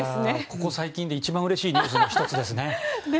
ここ最近で一番うれしいニュースの１つですね。